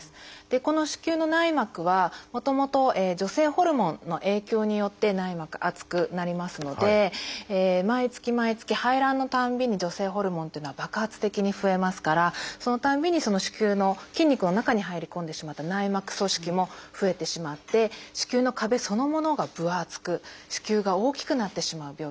この子宮の内膜はもともと女性ホルモンの影響によって内膜厚くなりますので毎月毎月排卵のたんびに女性ホルモンっていうのは爆発的に増えますからそのたんびにその子宮の筋肉の中に入り込んでしまった内膜組織も増えてしまって子宮の壁そのものが分厚く子宮が大きくなってしまう病気です。